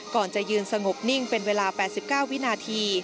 ก่อนจะยืนสงบนิ่งเป็นเวลา๘๙วินาที